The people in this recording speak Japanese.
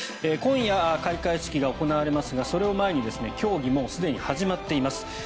今夜、開会式が行われますがそれを前に競技もうすでに始まっています。